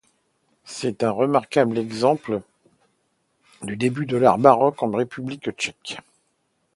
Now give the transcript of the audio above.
C'est un remarquable exemple du début de l'art baroque en République tchèque.